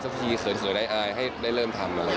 สักทีเสื่อได้อายให้ได้เริ่มทำอะไรเลย